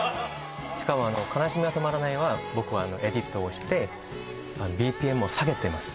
しかも「悲しみがとまらない」は僕はエディットをしてＢＰＭを下げてます